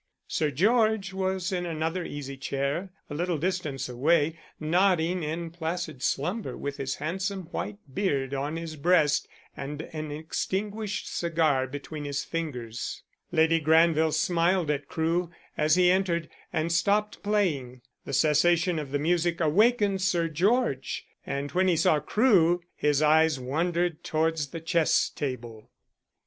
Sir George was in another easy chair a little distance away, nodding in placid slumber with his handsome white beard on his breast, and an extinguished cigar between his fingers. Lady Granville smiled at Crewe as he entered, and stopped playing. The cessation of the music awakened Sir George, and when he saw Crewe his eyes wandered towards the chess table.